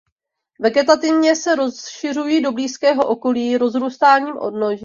Vegetativně se rozšiřují do blízkého okolí rozrůstáním odnoží.